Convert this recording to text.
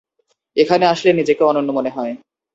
এখানে আসলে নিজেকে অনন্য মনে হয়।